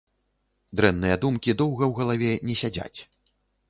Дрэнныя думкі доўга ў галаве не сядзяць.